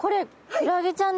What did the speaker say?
クラゲちゃん。